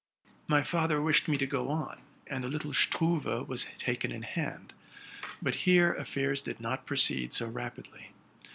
My father wished me to go on, and the little '' Struve'' was taken in hand; but here affairs did not proceed so rapidly.